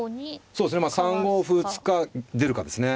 そうですね３五歩打つか出るかですね。